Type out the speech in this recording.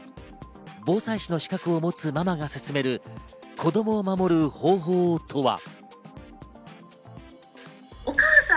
防災士の資格を持つママが進める、子供を守る方法とは？